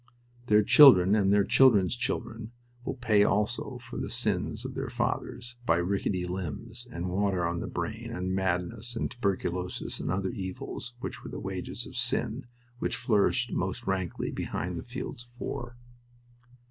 Their children and their children's children will pay also for the sins of their fathers, by rickety limbs and water on the brain, and madness, and tuberculosis, and other evils which are the wages of sin, which flourished most rankly behind the fields of war.